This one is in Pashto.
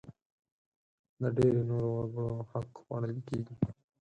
د ډېری نورو وګړو حق خوړل کېږي.